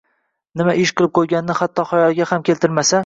Nima ish qilib qo‘yganini hatto xayoliga ham keltirmasa...